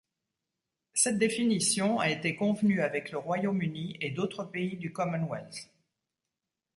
Cette définition a été convenue avec le Royaume-Uni et d'autres pays du Commonwealth.